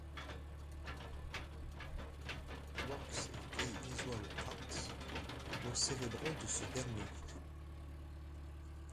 Works et Key Visual Arts célébrant le de ce dernier.